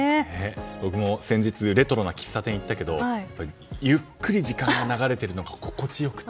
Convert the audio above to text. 僕も先日レトロな喫茶店に行ったけどゆっくり時間が流れているのが心地よくて。